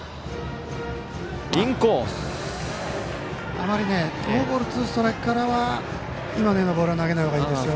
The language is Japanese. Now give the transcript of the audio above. あまりノーボールツーストライクからは今のようなボールは投げない方がいいですよ。